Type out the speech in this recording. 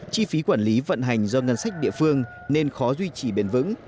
chi phí quản lý vận hành do ngân sách địa phương nên khó duy trì bền vững